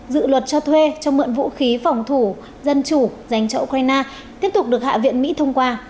dự luật cho thuê cho mượn vũ khí phòng thủ dân chủ dành cho ukraine tiếp tục được hạ viện mỹ thông qua